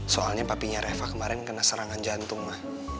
soalnya papinya reva kemarin kena serangan jantung mah